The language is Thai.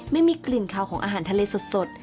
ไม่มีกลิ่นขาวของอาหารทะเลสด